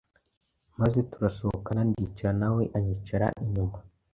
maze turasohoka ndicara nawe anyicara inyuma